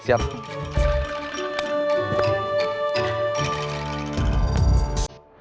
kita lapor dulu ke kang darman